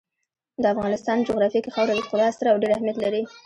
د افغانستان جغرافیه کې خاوره خورا ستر او ډېر اهمیت لري.